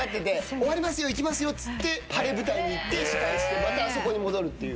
終わりますよ行きますよっつって晴れ舞台に行って司会してまたあそこに戻るっていう。